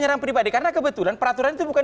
menyerang pribadi karena kebetulan peraturan itu bukan